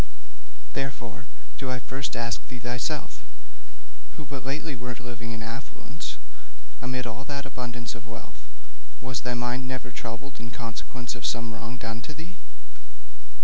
Therefore do I first ask thee thyself, who but lately wert living in affluence, amid all that abundance of wealth, was thy mind never troubled in consequence of some wrong done to thee?'